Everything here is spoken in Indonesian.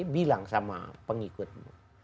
bilang sama pengikutmu